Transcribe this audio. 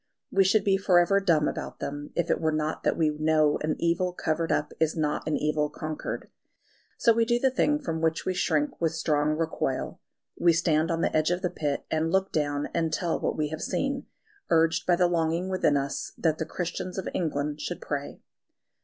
We should be for ever dumb about them, if it were not that we know an evil covered up is not an evil conquered. So we do the thing from which we shrink with strong recoil; we stand on the edge of the pit, and look down and tell what we have seen, urged by the longing within us that the Christians of England should pray.